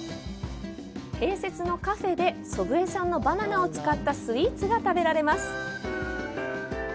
併設のカフェで祖父江産のバナナを使ったスイーツが食べられます。